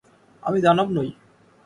আমি দানব নই।